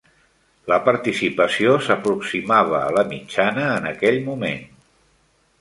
La participació s'aproximava a la mitjana en aquell moment.